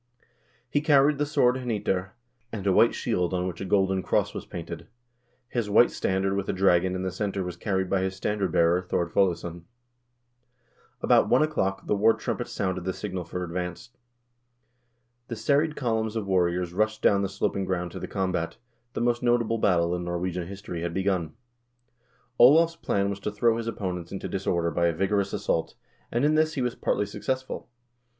He carried the sword "Hneiter" and a white shield on which a golden cross was painted. His white stand ard with a dragon in the center was carried by his standard bearer, Thord Foleson. About one o'clock, the war trumpets sounded the signal for advance. The serried columns of warriors rushed down the sloping ground to the combat ; the most notable battle in Nor wegian history had begun. Olav's plan was to throw his opponents into disorder by a vigorous assault, and in this he was partly success ful.